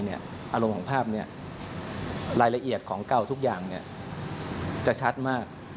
อารมณ์ของภาพนี้รายละเอียดของเก่าทุกอย่างจะชัดมาก